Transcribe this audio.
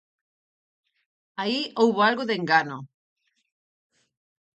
Aí houbo algo de engano.